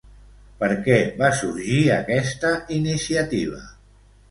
Per què va sorgir aquesta iniciativa?